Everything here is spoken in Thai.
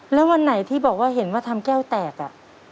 แล้ววันไหนที่บอกว่าเห็นว่าทำแก้วแตกอ่ะ